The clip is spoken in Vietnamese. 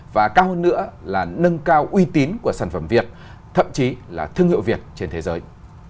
và cao hơn nữa là nâng cao uy tín của sản phẩm việt thậm chí là thương hiệu việt trên thế giới